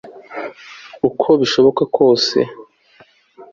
uko bishoboka kose